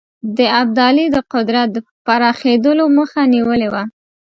د ابدالي د قدرت پراخېدلو مخه نیولې وه.